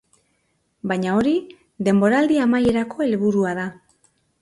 Baina hori denboraldi amaierako helburua da.